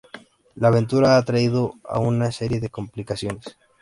la aventura ha traído a una serie de complicaciones